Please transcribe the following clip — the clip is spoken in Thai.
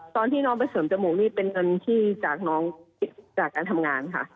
ตอนที่น้องไปเสริมจมูกนี่เป็นเงินที่จากน้องจากการทำงานค่ะ